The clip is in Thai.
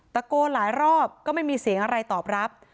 หลายรอบก็ไม่มีเสียงอะไรตอบรับ